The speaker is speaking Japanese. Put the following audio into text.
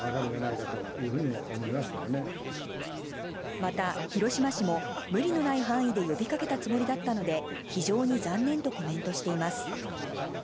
また広島市も無理のない範囲で呼びかけたつもりだったので非常に残念とコメントしています。